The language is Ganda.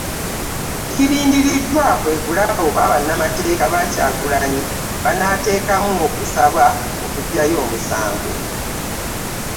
Ekirindiriddwa kwe kulaba oba bannamateeka ba Kyagulanyi banaateekamu okusaba okuggyayo omusango